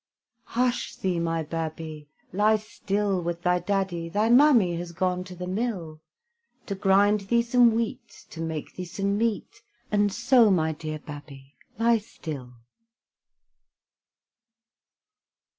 Hush thee, my babby, Lie still with thy daddy, Thy mammy has gone to the mill, To grind thee some wheat To make thee some meat, And so, my dear babby, lie still.